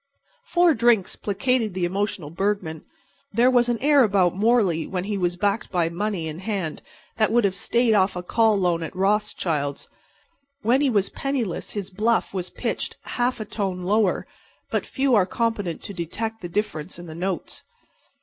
Four drinks placated the emotional Bergman. There was an air about Morley when he was backed by money in hand that would have stayed off a call loan at Rothschilds'. When he was penniless his bluff was pitched half a tone lower, but few are competent to detect the difference in the notes.